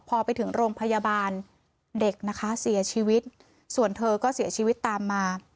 พอไปถึงโรงพยาบาลเด็กนะคะเสียชีวิตส่วนเธอก็เสียชีวิตตามมา